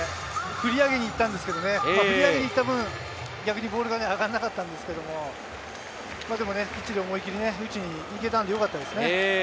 振り上げにいった分、逆にボールが上がらなかったですけれど、でもきっちり、思いきり打ちにいけたのでよかったですね。